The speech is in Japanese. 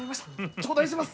頂戴します！